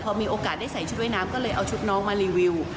พอมีโอกาสได้ใส่ชุดว่ายน้ำก็เลยเอาชุดน้องมารีวิว